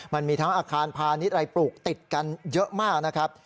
มันมีทั้งอาคารพาณิชย์อะไรปลูกติดกันเยอะมากนะครับ